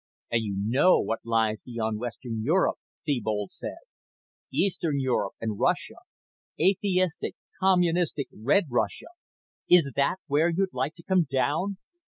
"And you know what lies beyond Western Europe," Thebold said. "Eastern Europe and Russia. Atheistic, communistic Red Russia. Is that where you'd like to come down?